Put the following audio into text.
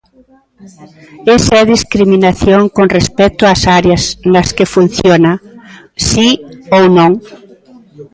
¿Esa é discriminación con respecto ás áreas nas que funciona?, ¿si ou non?